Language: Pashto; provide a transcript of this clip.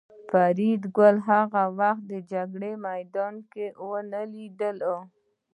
فریدګل هغه وخت د جنګ میدان نه و لیدلی